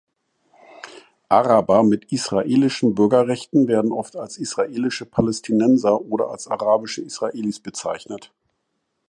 Araber mit israelischen Bürgerrechten werden oft als israelische Palästinenser oder als arabische Israelis bezeichnet.